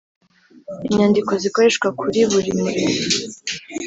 Inyandiko Zikoreshwa Kuri Buri Murimo